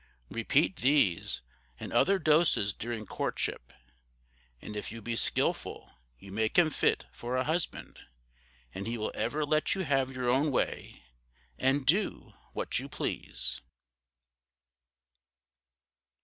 Repeat these and other doses during courtship, and if you be skilful you make him fit for a husband, and he will ever let you have your own way and do what you please.